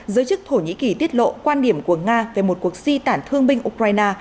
giới chức thổ nhĩ kỳ tiết lộ quan điểm của nga về một cuộc si tản thương binh ukraine